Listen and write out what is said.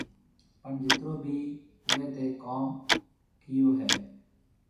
پڻ جِترون ڀِي اُوئي تي ڪوم ڪيو هيَ۔